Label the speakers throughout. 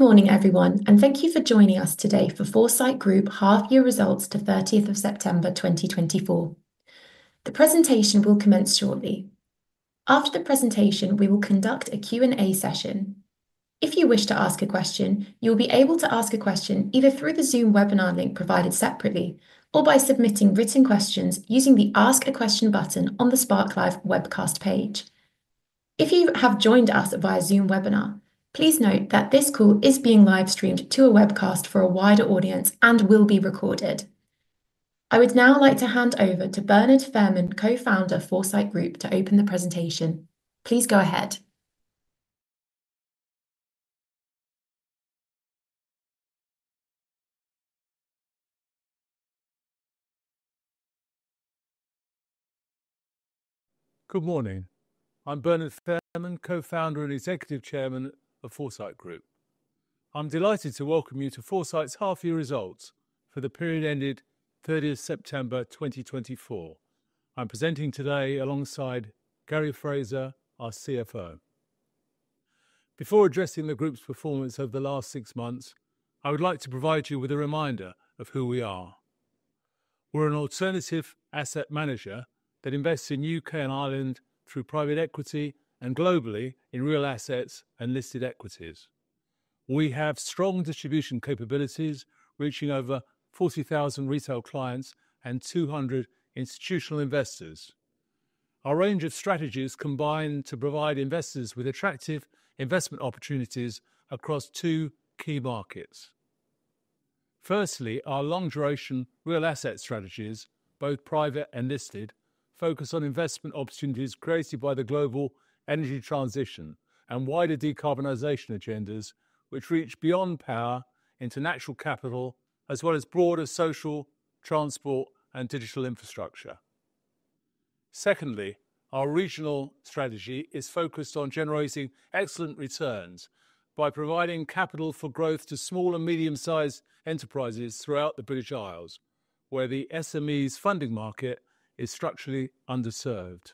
Speaker 1: Good morning, everyone, and thank you for joining us today for Foresight Group half-year results to 30 September 2024. The presentation will commence shortly. After the presentation, we will conduct a Q&A session. If you wish to ask a question, you'll be able to ask a question either through the Zoom webinar link provided separately or by submitting written questions using the Ask a Question button on the Spark Live webcast page. If you have joined us via Zoom webinar, please note that this call is being live-streamed to a webcast for a wider audience and will be recorded. I would now like to hand over to Bernard Fairman, Co-founder of Foresight Group, to open the presentation. Please go ahead.
Speaker 2: Good morning. I'm Bernard Fairman, Co-founder and Executive Chairman of Foresight Group. I'm delighted to welcome you to Foresight's half-year results for the period ended 30 September 2024. I'm presenting today alongside Gary Fraser, our CFO. Before addressing the Group's performance over the last six months, I would like to provide you with a reminder of who we are. We're an alternative asset manager that invests in the U.K. and Ireland through private equity and globally in real assets and listed equities. We have strong distribution capabilities, reaching over 40,000 retail clients and 200 institutional investors. Our range of strategies combine to provide investors with attractive investment opportunities across two key markets. Firstly, our long-duration real asset strategies, both private and listed, focus on investment opportunities created by the global energy transition and wider decarbonization agendas, which reach beyond power into natural capital, as well as broader social, transport, and digital infrastructure. Secondly, our regional strategy is focused on generating excellent returns by providing capital for growth to small and medium-sized enterprises throughout the British Isles, where the SMEs funding market is structurally underserved.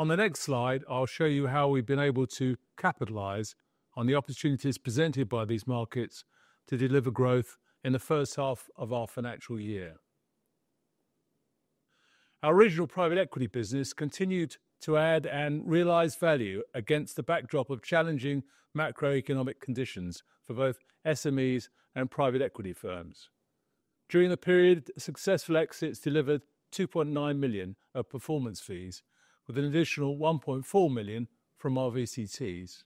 Speaker 2: On the next slide, I'll show you how we've been able to capitalize on the opportunities presented by these markets to deliver growth in the first half of our financial year. Our regional private equity business continued to add and realize value against the backdrop of challenging macroeconomic conditions for both SMEs and private equity firms. During the period, successful exits delivered 2.9 million of performance fees, with an additional 1.4 million from our VCTs.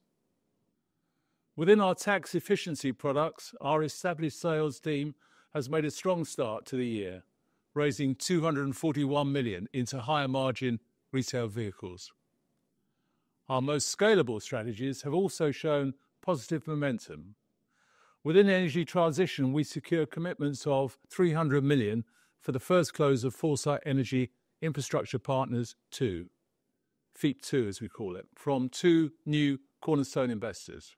Speaker 2: Within our tax efficiency products, our established sales team has made a strong start to the year, raising 241 million into higher-margin retail vehicles. Our most scalable strategies have also shown positive momentum. Within energy transition, we secure commitments of 300 million for the first close of Foresight Energy Infrastructure Partners II, FEIP II, as we call it, from two new cornerstone investors.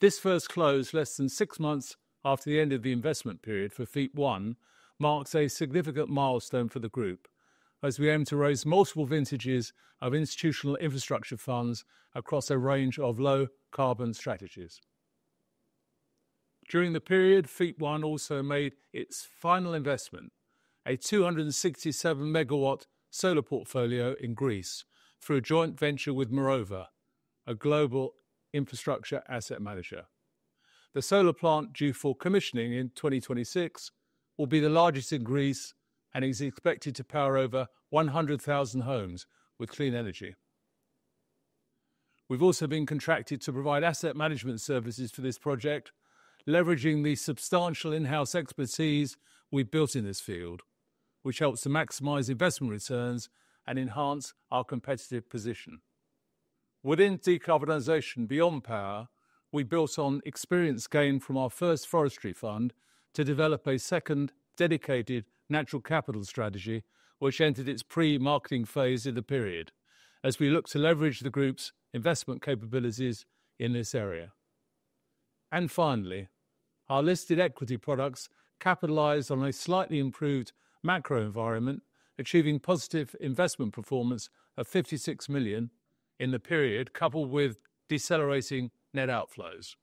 Speaker 2: This first close, less than six months after the end of the investment period for FEIP I, marks a significant milestone for the Group, as we aim to raise multiple vintages of institutional infrastructure funds across a range of low-carbon strategies. During the period, FEIP I also made its final investment, a 267-megawatt solar portfolio in Greece, through a joint venture with Mirova, a global infrastructure asset manager. The solar plant due for commissioning in 2026 will be the largest in Greece and is expected to power over 100,000 homes with clean energy. We've also been contracted to provide asset management services for this project, leveraging the substantial in-house expertise we've built in this field, which helps to maximize investment returns and enhance our competitive position. Within decarbonization beyond power, we built on experience gained from our first forestry fund to develop a second dedicated natural capital strategy, which entered its pre-marketing phase in the period, as we look to leverage the Group's investment capabilities in this area. And finally, our listed equity products capitalize on a slightly improved macro environment, achieving positive investment performance of 56 million in the period, coupled with decelerating net outflows.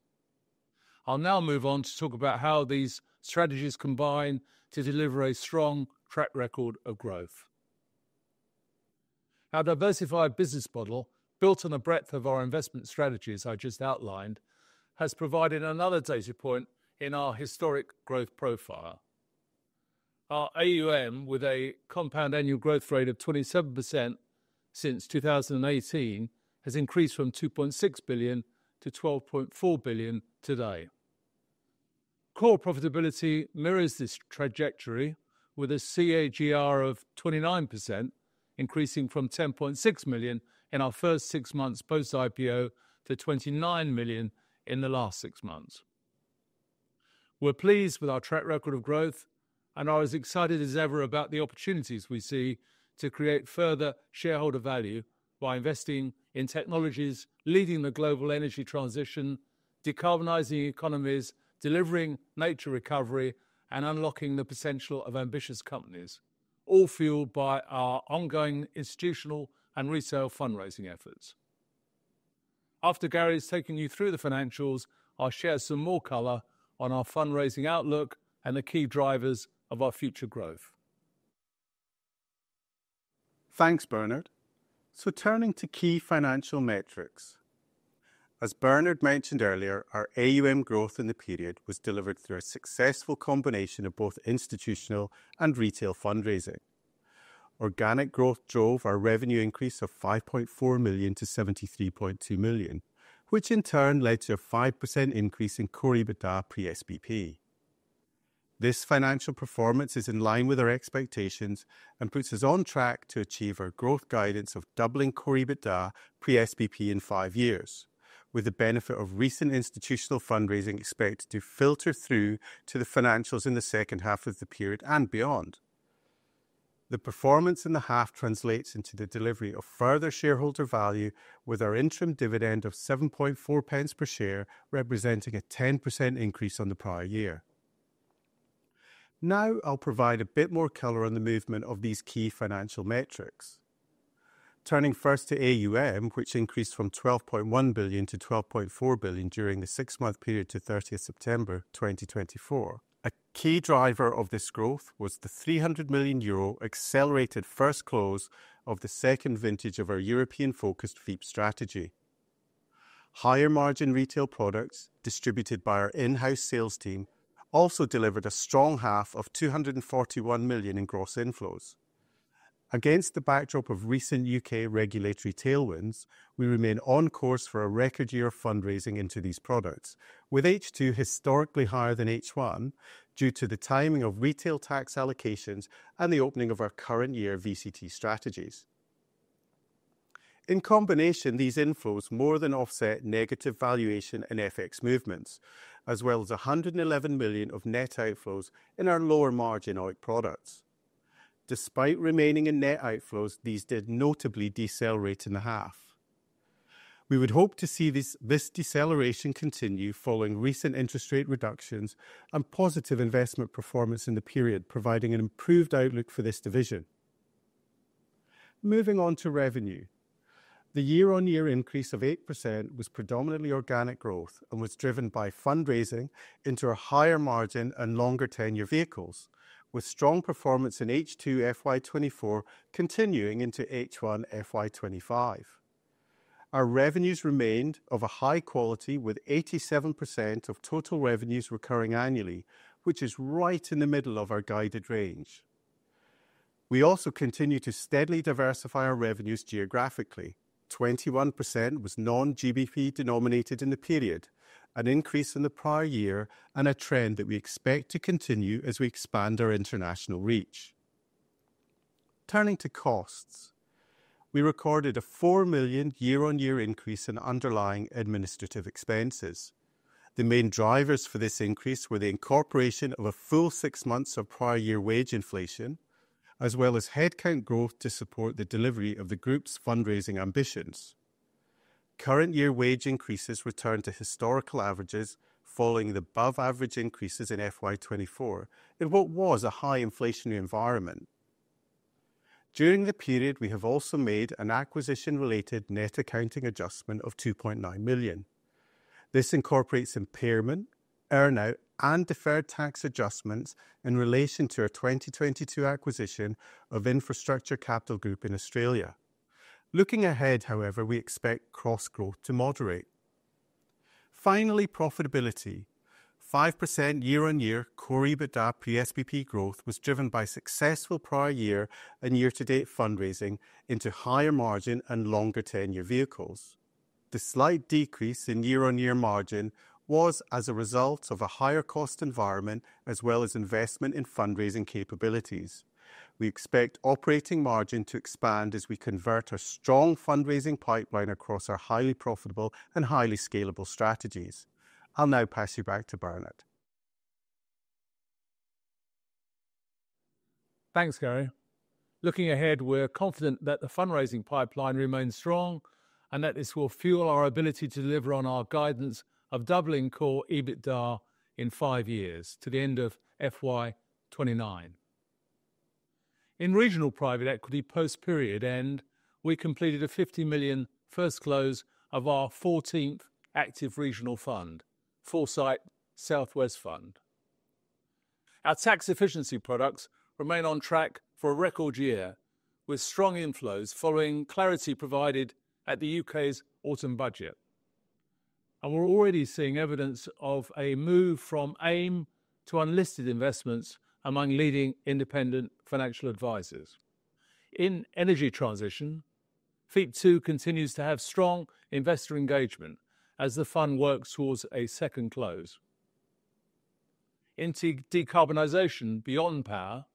Speaker 2: I'll now move on to talk about how these strategies combine to deliver a strong track record of growth. Our diversified business model, built on the breadth of our investment strategies I just outlined, has provided another data point in our historic growth profile. Our AUM, with a compound annual growth rate of 27% since 2018, has increased from 2.6 billion to 12.4 billion today. Core profitability mirrors this trajectory, with a CAGR of 29%, increasing from 10.6 million in our first six months post-IPO to 29 million in the last six months. We're pleased with our track record of growth, and I was excited as ever about the opportunities we see to create further shareholder value by investing in technologies leading the global energy transition, decarbonizing economies, delivering nature recovery, and unlocking the potential of ambitious companies, all fueled by our ongoing institutional and retail fundraising efforts. After Gary has taken you through the financials, I'll share some more color on our fundraising outlook and the key drivers of our future growth.
Speaker 3: Thanks, Bernard. So, turning to key financial metrics. As Bernard mentioned earlier, our AUM growth in the period was delivered through a successful combination of both institutional and retail fundraising. Organic growth drove our revenue increase of 5.4 million to 73.2 million, which in turn led to a 5% increase in core EBITDA pre-SBP. This financial performance is in line with our expectations and puts us on track to achieve our growth guidance of doubling core EBITDA pre-SBP in five years, with the benefit of recent institutional fundraising expected to filter through to the financials in the second half of the period and beyond. The performance in the half translates into the delivery of further shareholder value, with our interim dividend of 0.074 per share representing a 10% increase on the prior year. Now, I'll provide a bit more color on the movement of these key financial metrics. Turning first to AUM, which increased from 12.1 billion to 12.4 billion during the six-month period to 30 September 2024. A key driver of this growth was the 300 million euro accelerated first close of the second vintage of our European-focused FEIP strategy. Higher-margin retail products distributed by our in-house sales team also delivered a strong half of 241 million in gross inflows. Against the backdrop of recent UK regulatory tailwinds, we remain on course for a record year of fundraising into these products, with H2 historically higher than H1 due to the timing of retail tax allocations and the opening of our current year VCT strategies. In combination, these inflows more than offset negative valuation and FX movements, as well as 111 million of net outflows in our lower-margin products. Despite remaining in net outflows, these did notably decelerate in the half. We would hope to see this deceleration continue following recent interest rate reductions and positive investment performance in the period, providing an improved outlook for this division. Moving on to revenue, the year-on-year increase of 8% was predominantly organic growth and was driven by fundraising into our higher-margin and longer-tenure vehicles, with strong performance in H2 FY24 continuing into H1 FY 2025. Our revenues remained of a high quality, with 87% of total revenues recurring annually, which is right in the middle of our guided range. We also continue to steadily diversify our revenues geographically. 21% was non-GBP denominated in the period, an increase in the prior year and a trend that we expect to continue as we expand our international reach. Turning to costs, we recorded a 4 million year-on-year increase in underlying administrative expenses. The main drivers for this increase were the incorporation of a full six months of prior year wage inflation, as well as headcount growth to support the delivery of the Group's fundraising ambitions. Current year wage increases returned to historical averages following the above-average increases in FY 2024 in what was a high inflationary environment. During the period, we have also made an acquisition-related net accounting adjustment of 2.9 million. This incorporates impairment, earnout, and deferred tax adjustments in relation to our 2022 acquisition of Infrastructure Capital Group in Australia. Looking ahead, however, we expect cost growth to moderate. Finally, profitability. 5% year-on-year core EBITDA pre-SBP growth was driven by successful prior year and year-to-date fundraising into higher-margin and longer-tenure vehicles. The slight decrease in year-on-year margin was as a result of a higher cost environment, as well as investment in fundraising capabilities. We expect operating margin to expand as we convert our strong fundraising pipeline across our highly profitable and highly scalable strategies. I'll now pass you back to Bernard.
Speaker 2: Thanks, Gary. Looking ahead, we're confident that the fundraising pipeline remains strong and that this will fuel our ability to deliver on our guidance of doubling core EBITDA in five years to the end of FY 2029. In regional private equity post-period end, we completed a 50 million first close of our 14th active regional fund, Foresight South West Fund. Our tax efficiency products remain on track for a record year, with strong inflows following clarity provided at the UK's Autumn Budget. And we're already seeing evidence of a move from AIM to unlisted investments among leading independent financial advisors. In energy transition, FEIP II continues to have strong investor engagement as the fund works towards a second close. Into decarbonization beyond power,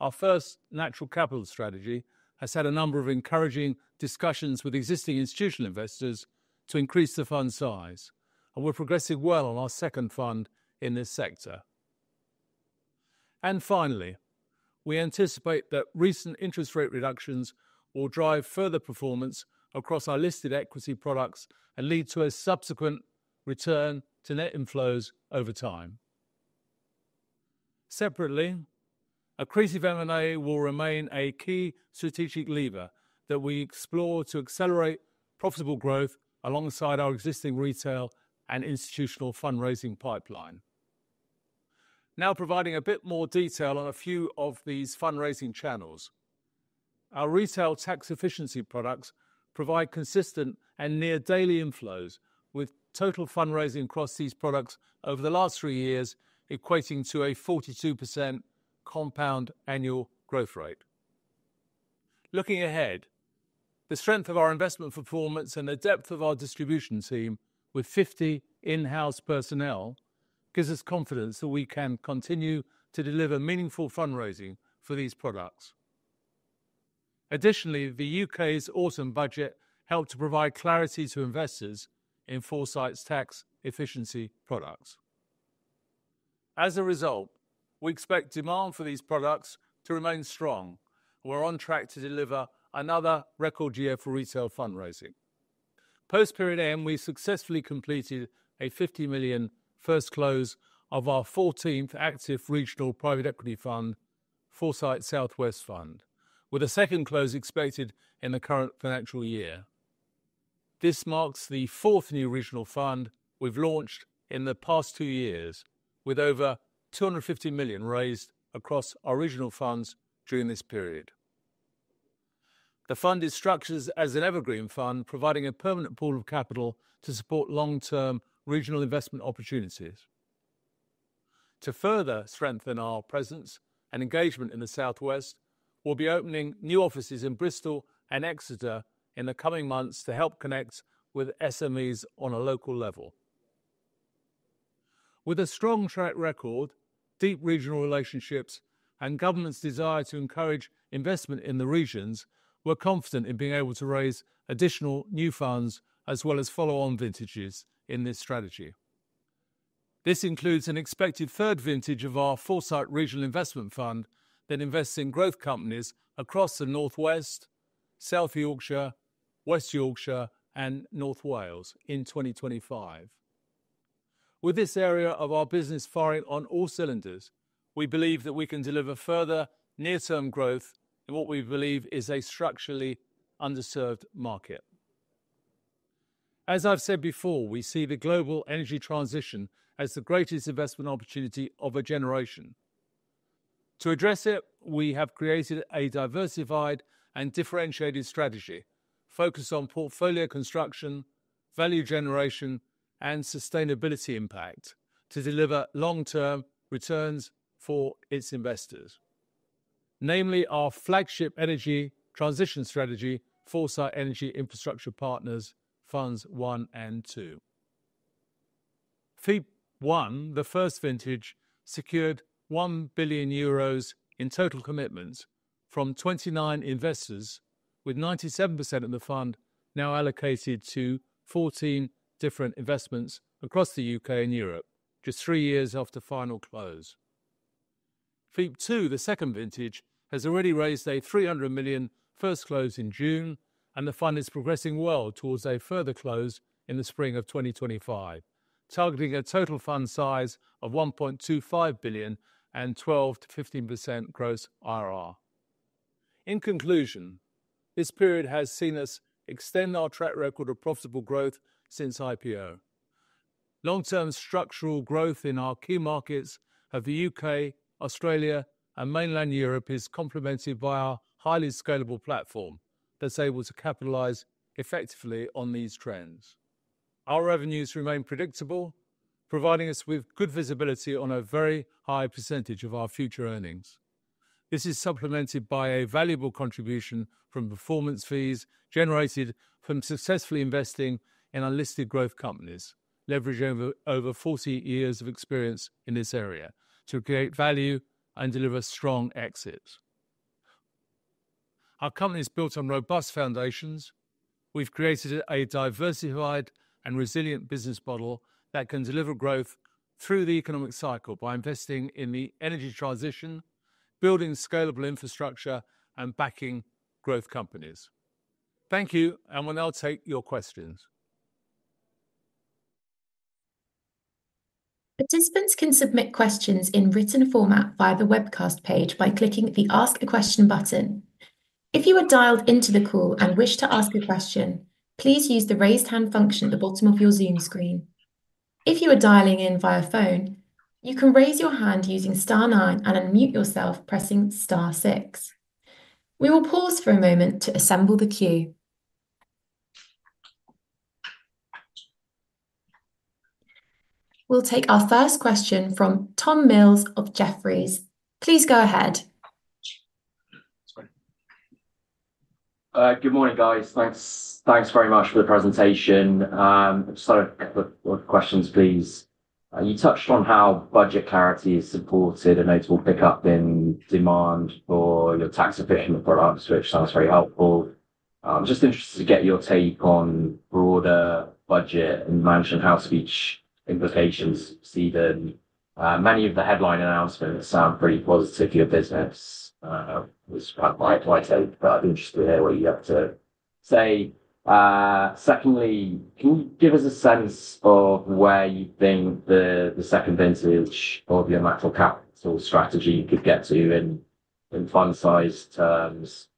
Speaker 2: our first natural capital strategy has had a number of encouraging discussions with existing institutional investors to increase the fund size, and we're progressing well on our second fund in this sector. And finally, we anticipate that recent interest rate reductions will drive further performance across our listed equity products and lead to a subsequent return to net inflows over time. Separately, accretive M&A will remain a key strategic lever that we explore to accelerate profitable growth alongside our existing retail and institutional fundraising pipeline. Now providing a bit more detail on a few of these fundraising channels. Our retail tax efficiency products provide consistent and near daily inflows, with total fundraising across these products over the last three years equating to a 42% compound annual growth rate. Looking ahead, the strength of our investment performance and the depth of our distribution team, with 50 in-house personnel, gives us confidence that we can continue to deliver meaningful fundraising for these products. Additionally, the UK's autumn budget helped to provide clarity to investors in Foresight's tax efficiency products. As a result, we expect demand for these products to remain strong, and we're on track to deliver another record year for retail fundraising. Post-period end, we successfully completed a 50 million first close of our 14th active regional private equity fund, Foresight South west Fund, with a second close expected in the current financial year. This marks the fourth new regional fund we've launched in the past two years, with over 250 million raised across our regional funds during this period. The fund is structured as an evergreen fund, providing a permanent pool of capital to support long-term regional investment opportunities. To further strengthen our presence and engagement in the Southwest, we'll be opening new offices in Bristol and Exeter in the coming months to help connect with SMEs on a local level. With a strong track record, deep regional relationships, and government's desire to encourage investment in the regions, we're confident in being able to raise additional new funds, as well as follow-on vintages in this strategy. This includes an expected third vintage of our Foresight Regional Investment Fund that invests in growth companies across the Northwest, South Yorkshire, West Yorkshire, and North Wales in 2025. With this area of our business firing on all cylinders, we believe that we can deliver further near-term growth in what we believe is a structurally underserved market. As I've said before, we see the global energy transition as the greatest investment opportunity of a generation. To address it, we have created a diversified and differentiated strategy focused on portfolio construction, value generation, and sustainability impact to deliver long-term returns for its investors, namely our flagship energy transition strategy, Foresight Energy Infrastructure Partners Funds One and Two. FEIP I, the first vintage, secured 1 billion euros in total commitments from 29 investors, with 97% of the fund now allocated to 14 different investments across the UK and Europe, just three years after final close. FEIP II, the second vintage, has already raised a 300 million first close in June, and the fund is progressing well towards a further close in the spring of 2025, targeting a total fund size of 1.25 billion and 12%-15% gross IRR. In conclusion, this period has seen us extend our track record of profitable growth since IPO. Long-term structural growth in our key markets of the U.K., Australia, and mainland Europe is complemented by our highly scalable platform that's able to capitalize effectively on these trends. Our revenues remain predictable, providing us with good visibility on a very high percentage of our future earnings. This is supplemented by a valuable contribution from performance fees generated from successfully investing in unlisted growth companies, leveraging over 40 years of experience in this area to create value and deliver strong exits. Our company is built on robust foundations. We've created a diversified and resilient business model that can deliver growth through the economic cycle by investing in the energy transition, building scalable infrastructure, and backing growth companies. Thank you, and we'll now take your questions.
Speaker 1: Participants can submit questions in written format via the webcast page by clicking the Ask a Question button. If you are dialed into the call and wish to ask a question, please use the raised hand function at the bottom of your Zoom screen. If you are dialing in via phone, you can raise your hand using star nine and unmute yourself pressing star six. We will pause for a moment to assemble the queue. We'll take our first question from Tom Mills of Jefferies. Please go ahead.
Speaker 4: Good morning, guys. Thanks very much for the presentation. Just a couple of questions, please. You touched on how budget clarity is supported and noticeable pickup in demand for your tax efficient products, which sounds very helpful. I'm just interested to get your take on broader budget and Mansion House speech implications. Stephen, many of the headline announcements sound pretty positive for your business, which is quite my take, but I'd be interested to hear what you have to say. Secondly, can you give us a sense of where you think the second vintage of your natural capital strategy could get to in fund size terms?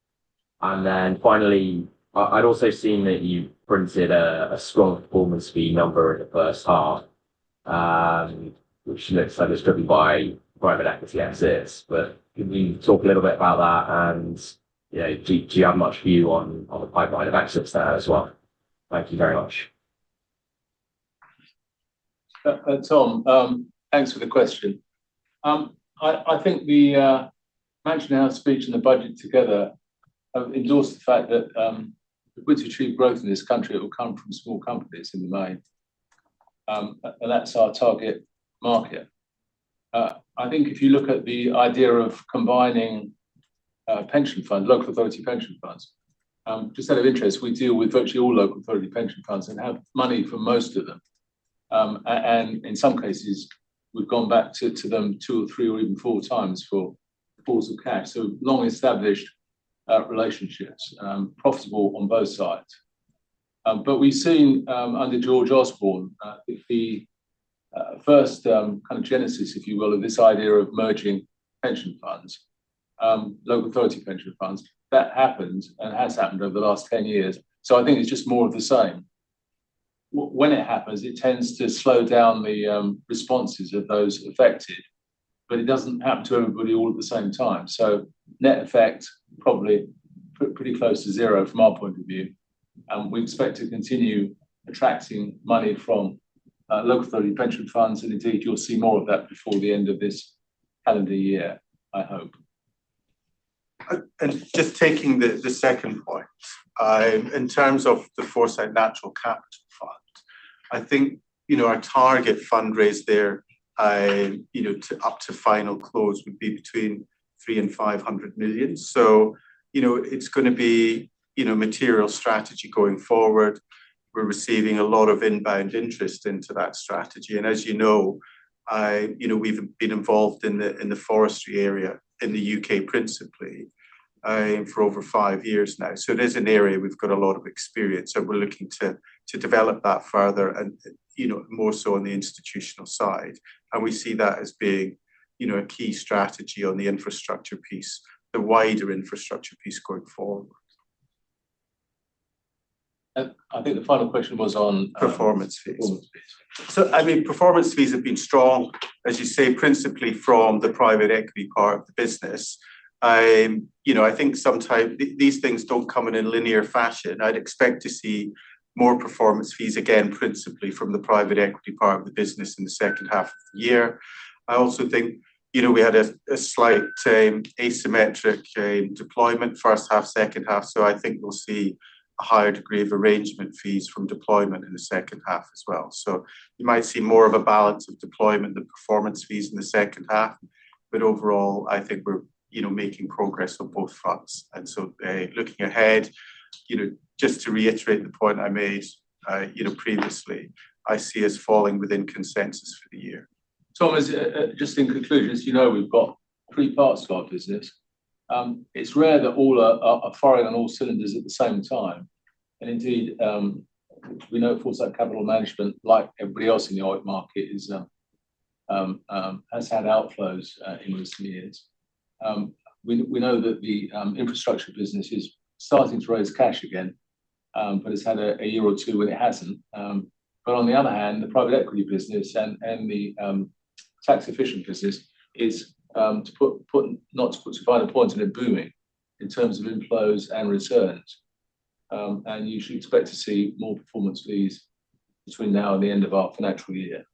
Speaker 4: And then finally, I'd also seen that you printed a strong performance fee number in the first half, which looks like it's driven by private equity exits. But can you talk a little bit about that? And do you have much view on the pipeline of exits there as well? Thank you very much.
Speaker 2: Thanks for the question. I think the Mansion House speech and the budget together have endorsed the fact that the quickest achieved growth in this country will come from small companies in the main. And that's our target market. I think if you look at the idea of combining pension funds, local authority pension funds, just out of interest, we deal with virtually all local authority pension funds and have money from most of them. And in some cases, we've gone back to them two or three or even four times for pools of cash. So long-established relationships, profitable on both sides. But we've seen under George Osborne the first kind of genesis, if you will, of this idea of merging pension funds, local authority pension funds. That happened and has happened over the last 10 years. So I think it's just more of the same. When it happens, it tends to slow down the responses of those affected, but it doesn't happen to everybody all at the same time, so net effect probably pretty close to zero from our point of view, and we expect to continue attracting money from local authority pension funds, and indeed, you'll see more of that before the end of this calendar year, I hope.
Speaker 3: And just taking the second point, in terms of the Foresight Natural Capital Fund, I think our target fundraise there up to final close would be between three and 500 million, so it's going to be material strategy going forward. We're receiving a lot of inbound interest into that strategy, and as you know, we've been involved in the forestry area in the U.K. principally for over five years now, so it is an area we've got a lot of experience, so we're looking to develop that further and more so on the institutional side. And we see that as being a key strategy on the infrastructure piece, the wider infrastructure piece going forward.
Speaker 2: I think the final question was on.
Speaker 3: Performance fees.
Speaker 2: Performance fees. So I mean, performance fees have been strong, as you say, principally from the private equity part of the business. I think sometimes these things don't come in a linear fashion. I'd expect to see more performance fees again, principally from the private equity part of the business in the second half of the year. I also think we had a slight asymmetric deployment, first half, second half. So I think we'll see a higher degree of arrangement fees from deployment in the second half as well. So you might see more of a balance of deployment than performance fees in the second half. But overall, I think we're making progress on both fronts. And so looking ahead, just to reiterate the point I made previously, I see us falling within consensus for the year. Tom, just in conclusion, as you know, we've got three parts to our business. It's rare that all are firing on all cylinders at the same time. And indeed, we know Foresight Capital Management, like everybody else in the market, has had outflows in recent years. We know that the infrastructure business is starting to raise cash again, but it's had a year or two when it hasn't. But on the other hand, the private equity business and the tax efficient business is, to put a point in it, booming in terms of inflows and returns. And you should expect to see more performance fees between now and the end of our financial year.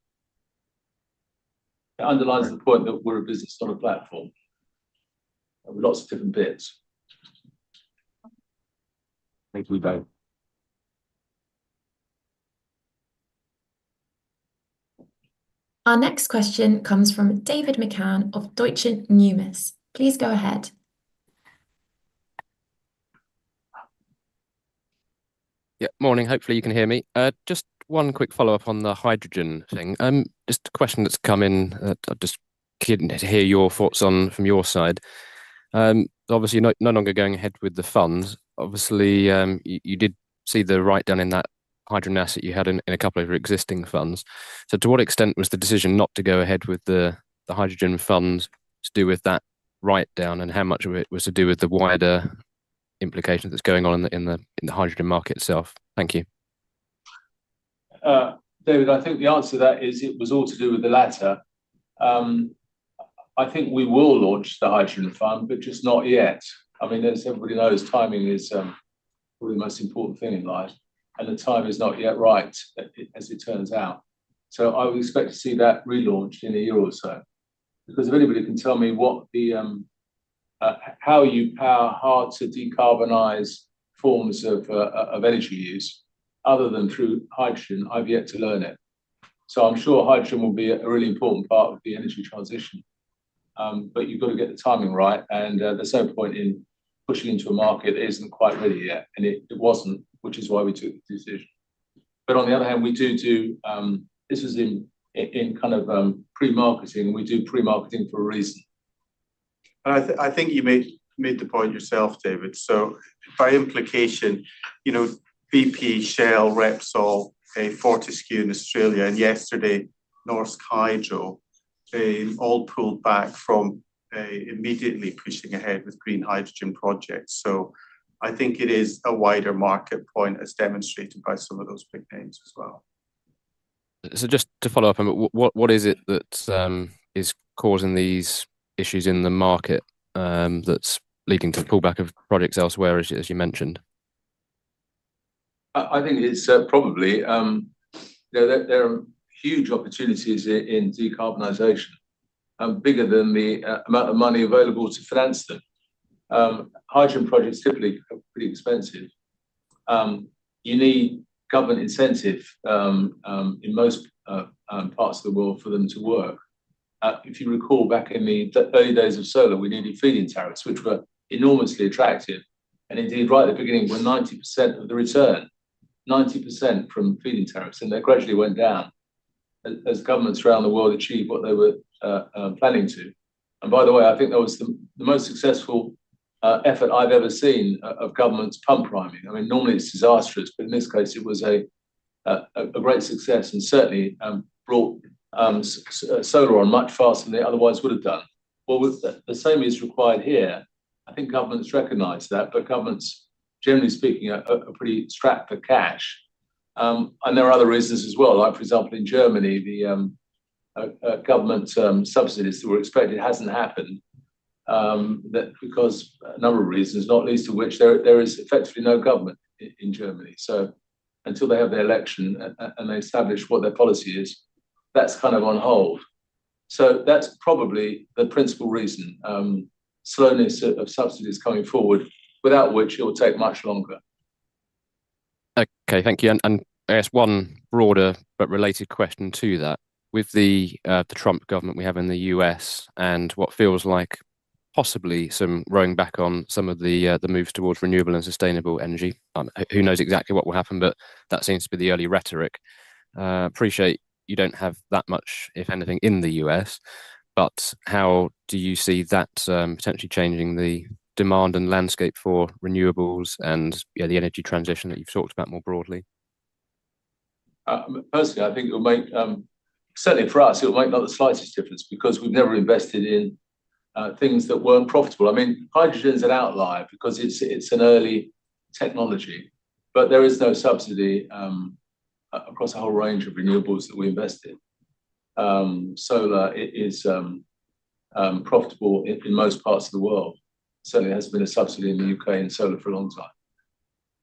Speaker 2: That underlines the point that we're a business, not a platform. Lots of different bits.
Speaker 4: Thank you, both.
Speaker 1: Our next question comes from David McCann of Deutsche Numis. Please go ahead.
Speaker 5: Yeah, morning. Hopefully, you can hear me. Just one quick follow-up on the hydrogen thing. Just a question that's come in that I'd just be keen to hear your thoughts on from your side. Obviously, no longer going ahead with the funds. Obviously, you did see the write-down in that hydrogen asset you had in a couple of existing funds. So to what extent was the decision not to go ahead with the hydrogen funds to do with that write-down and how much of it was to do with the wider implications that's going on in the hydrogen market itself? Thank you.
Speaker 2: David, I think the answer to that is it was all to do with the latter. I think we will launch the hydrogen fund, but just not yet. I mean, as everybody knows, timing is probably the most important thing in life. And the time is not yet right, as it turns out. So I would expect to see that relaunched in a year or so. Because if anybody can tell me how you power hard to decarbonize forms of energy use other than through hydrogen, I've yet to learn it. So I'm sure hydrogen will be a really important part of the energy transition. But you've got to get the timing right. And there's no point in pushing into a market that isn't quite ready yet. And it wasn't, which is why we took the decision. But on the other hand, we do this in kind of pre-marketing. We do pre-marketing for a reason.
Speaker 3: I think you made the point yourself, David. So by implication, BP, Shell, Repsol, Fortescue in Australia, and yesterday, Norsk Hydro, they all pulled back from immediately pushing ahead with green hydrogen projects. So I think it is a wider market point as demonstrated by some of those big names as well.
Speaker 5: So just to follow up, what is it that is causing these issues in the market that's leading to the pullback of projects elsewhere, as you mentioned?
Speaker 2: I think it's probably there are huge opportunities in decarbonization, bigger than the amount of money available to finance them. Hydrogen projects typically are pretty expensive. You need government incentive in most parts of the world for them to work. If you recall, back in the early days of solar, we needed feed-in tariffs, which were enormously attractive. And indeed, right at the beginning, we're 90% of the return, 90% from feed-in tariffs. And they gradually went down as governments around the world achieved what they were planning to. And by the way, I think that was the most successful effort I've ever seen of governments pump priming. I mean, normally, it's disastrous, but in this case, it was a great success and certainly brought solar on much faster than they otherwise would have done. Well, the same is required here. I think governments recognize that, but governments, generally speaking, are pretty strapped for cash. And there are other reasons as well. For example, in Germany, the government subsidies that were expected haven't happened because a number of reasons, not least of which there is effectively no government in Germany. So until they have the election and they establish what their policy is, that's kind of on hold. So that's probably the principal reason, slowness of subsidies coming forward, without which it will take much longer.
Speaker 5: Okay, thank you. And I guess one broader but related question to that. With the Trump government we have in the U.S. and what feels like possibly some rowing back on some of the moves towards renewable and sustainable energy, who knows exactly what will happen, but that seems to be the early rhetoric. Appreciate you don't have that much, if anything, in the U.S. But how do you see that potentially changing the demand and landscape for renewables and the energy transition that you've talked about more broadly?
Speaker 2: Personally, I think it will make certainly for us, it will make not the slightest difference because we've never invested in things that weren't profitable. I mean, hydrogen's an outlier because it's an early technology, but there is no subsidy across a whole range of renewables that we invest in. Solar is profitable in most parts of the world. Certainly, it hasn't been a subsidy in the U.K. and solar for a long time.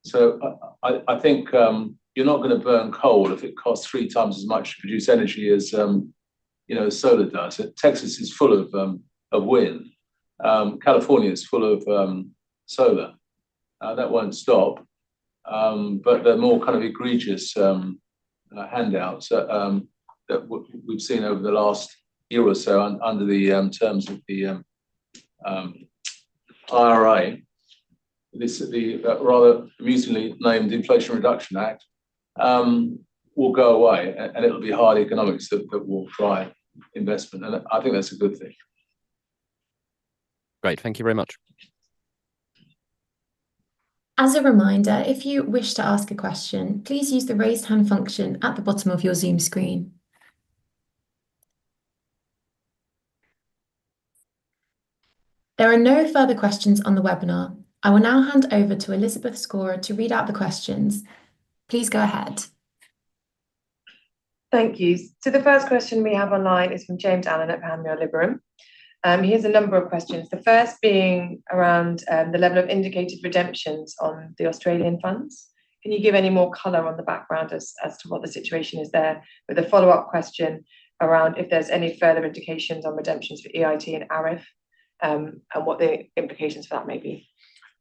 Speaker 2: So I think you're not going to burn coal if it costs three times as much to produce energy as solar does. Texas is full of wind. California is full of solar. That won't stop. But the more kind of egregious handouts that we've seen over the last year or so under the terms of the IRA, rather amusingly named Inflation Reduction Act, will go away, and it'll be hard economics that will drive investment. I think that's a good thing.
Speaker 5: Great. Thank you very much.
Speaker 1: As a reminder, if you wish to ask a question, please use the raise hand function at the bottom of your Zoom screen. There are no further questions on the webinar. I will now hand over to Elizabeth Scorer to read out the questions. Please go ahead.
Speaker 6: Thank you. So the first question we have online is from James Allen at Panmure Liberum. He has a number of questions, the first being around the level of indicated redemptions on the Australian funds. Can you give any more color on the background as to what the situation is there with a follow-up question around if there's any further indications on redemptions for EIT and ARIF and what the implications for that may be?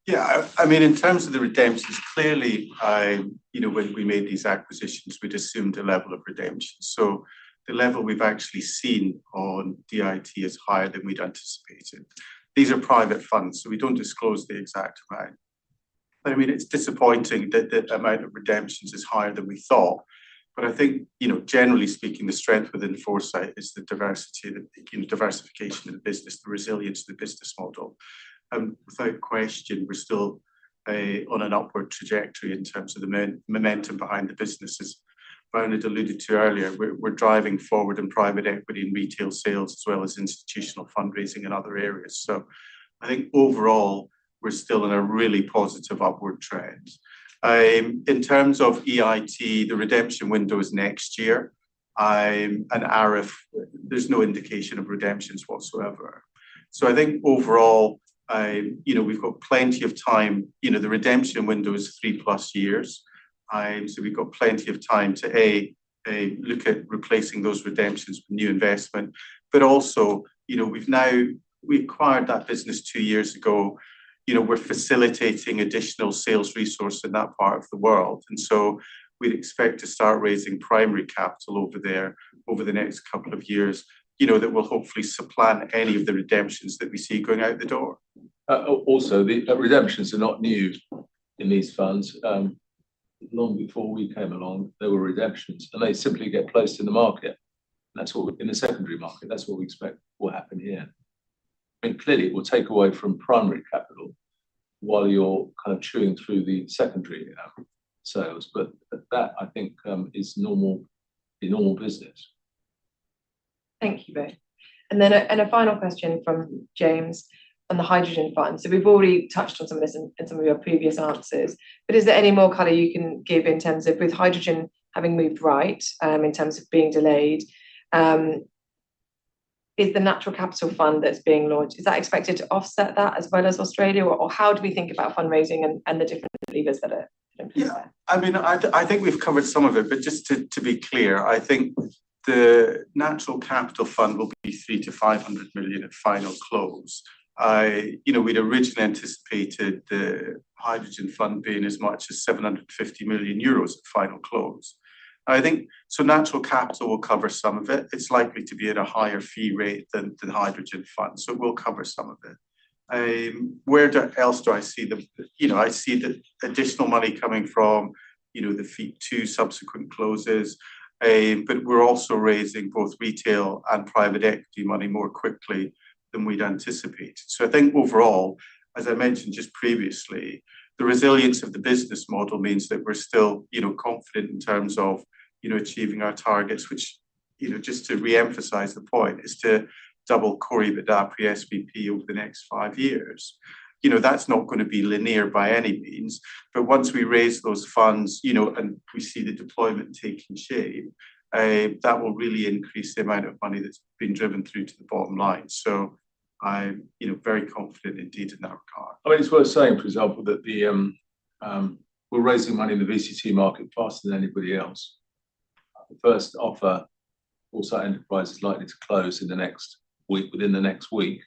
Speaker 3: Yeah. I mean, in terms of the redemptions, clearly, when we made these acquisitions, we'd assumed a level of redemptions. So the level we've actually seen on DIT is higher than we'd anticipated. These are private funds, so we don't disclose the exact amount. But I mean, it's disappointing that the amount of redemptions is higher than we thought. But I think, generally speaking, the strength within Foresight is the diversification of the business, the resilience of the business model. Without question, we're still on an upward trajectory in terms of the momentum behind the businesses. Bernard had alluded to earlier, we're driving forward in private equity and retail sales as well as institutional fundraising in other areas. So I think overall, we're still in a really positive upward trend. In terms of EIT, the redemption window is next year, and ARIF, there's no indication of redemptions whatsoever. I think overall, we've got plenty of time. The redemption window is three plus years. We've got plenty of time to, A, look at replacing those redemptions with new investment. But also, we've now acquired that business two years ago. We're facilitating additional sales resources in that part of the world. And so we'd expect to start raising primary capital over there over the next couple of years that will hopefully supplant any of the redemptions that we see going out the door.
Speaker 2: Also, the redemptions are not new in these funds. Long before we came along, there were redemptions, and they simply get placed in the market. In the secondary market, that's what we expect will happen here. I mean, clearly, it will take away from primary capital while you're kind of chewing through the secondary sales, but that, I think, is normal business.
Speaker 6: Thank you, both. And then a final question from James on the hydrogen fund. So we've already touched on some of this in some of your previous answers. But is there any more color you can give in terms of with hydrogen having moved right in terms of being delayed? Is the natural capital fund that's being launched, is that expected to offset that as well as Australia? Or how do we think about fundraising and the different levers that are in place there?
Speaker 3: Yeah. I mean, I think we've covered some of it. But just to be clear, I think the natural capital fund will be 300-500 million GBP at final close. We'd originally anticipated the hydrogen fund being as much as 750 million euros at final close. So natural capital will cover some of it. It's likely to be at a higher fee rate than the hydrogen fund. So it will cover some of it. Where else do I see the additional money coming from the fee to subsequent closes. But we're also raising both retail and private equity money more quickly than we'd anticipated. So I think overall, as I mentioned just previously, the resilience of the business model means that we're still confident in terms of achieving our targets, which just to reemphasize the point is to double Core EBITDA pre-SBP over the next five years. That's not going to be linear by any means. But once we raise those funds and we see the deployment taking shape, that will really increase the amount of money that's been driven through to the bottom line. So I'm very confident indeed in that regard.
Speaker 2: I mean, it's worth saying, for example, that we're raising money in the VCT market faster than anybody else. The first offer, Foresight Enterprise VCT, is likely to close within the next week.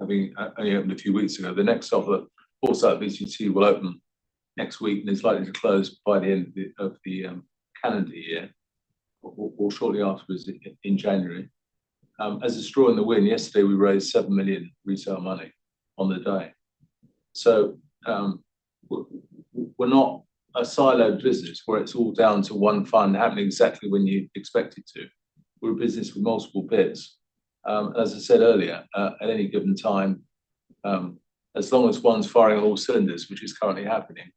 Speaker 2: I mean, only opened a few weeks ago. The next offer, Foresight VCT, will open next week. And it's likely to close by the end of the calendar year, or shortly afterwards in January. As a straw in the wind, yesterday, we raised 7 million retail money on the day. So we're not a siloed business where it's all down to one fund happening exactly when you expect it to. We're a business with multiple bits. As I said earlier, at any given time, as long as one's firing on all cylinders, which is currently happening,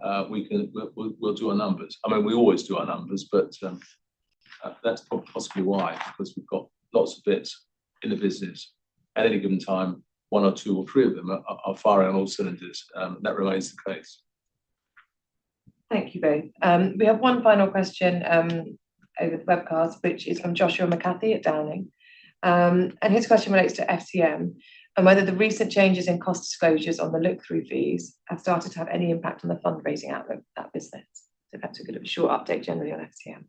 Speaker 2: we'll do our numbers. I mean, we always do our numbers, but that's possibly why, because we've got lots of bits in the business. At any given time, one or two or three of them are firing all cylinders. That remains the case.
Speaker 6: Thank you, both. We have one final question over the webcast, which is from Joshua McCarthy at Downing, and his question relates to FCM and whether the recent changes in cost disclosures on the look-through fees have started to have any impact on the fundraising outlook for that business, so perhaps a bit of a short update generally on FCM.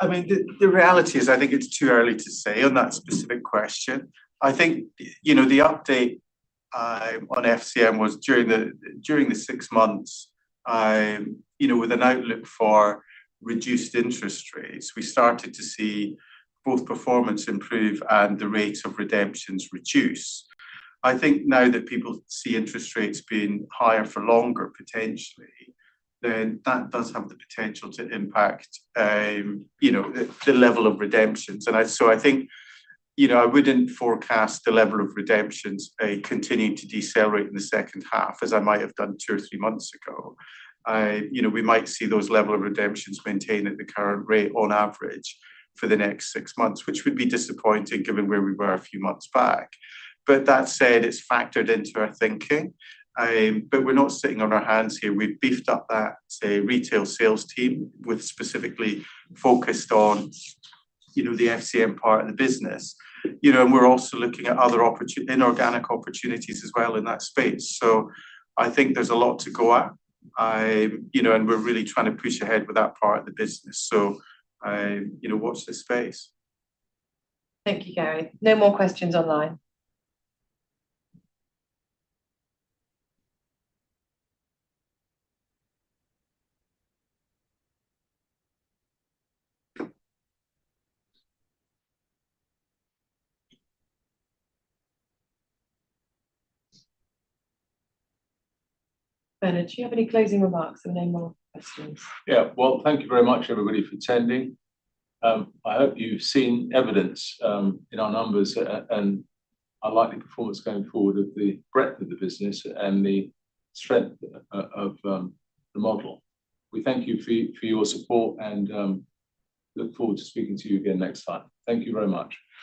Speaker 3: I mean, the reality is I think it's too early to say on that specific question. I think the update on FCM was during the six months with an outlook for reduced interest rates. We started to see both performance improve and the rates of redemptions reduce. I think now that people see interest rates being higher for longer, potentially, then that does have the potential to impact the level of redemptions. And so I think I wouldn't forecast the level of redemptions continuing to decelerate in the second half, as I might have done two or three months ago. We might see those levels of redemptions maintained at the current rate on average for the next six months, which would be disappointing given where we were a few months back. But that said, it's factored into our thinking. But we're not sitting on our hands here. We've beefed up that retail sales team with specifically focused on the FCM part of the business. And we're also looking at other inorganic opportunities as well in that space. So I think there's a lot to go at. And we're really trying to push ahead with that part of the business. So watch this space.
Speaker 6: Thank you, Gary. No more questions online. Bernard, do you have any closing remarks or any more questions?
Speaker 2: Yeah. Well, thank you very much, everybody, for attending. I hope you've seen evidence in our numbers and our likely performance going forward of the breadth of the business and the strength of the model. We thank you for your support and look forward to speaking to you again next time. Thank you very much.